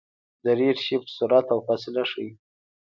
د ریډشفټ سرعت او فاصله ښيي.